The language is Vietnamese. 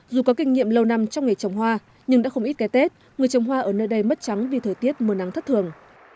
dù có kinh nghiệm lâu năm trong nghề trồng hoa nhưng đã không ít cái tết người trồng hoa ở nơi đây mất trắng vì thời tiết mưa nắng thất thường